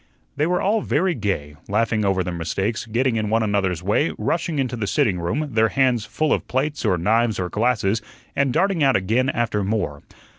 They were all very gay, laughing over their mistakes, getting in one another's way, rushing into the sitting room, their hands full of plates or knives or glasses, and darting out again after more.